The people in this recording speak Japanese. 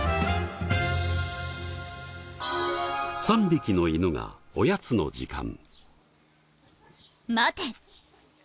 ３匹の犬がおやつの時間。